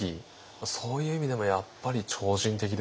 そういう意味でもやっぱり超人的ですよね。